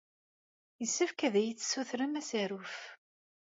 Yessefk ad iyi-d-tessutrem asaruf.